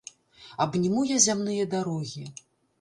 Абніму я зямныя дарогі.